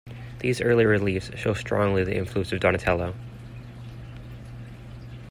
These early reliefs show strongly the influence of Donatello.